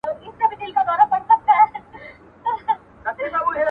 ځوان ولاړ سو.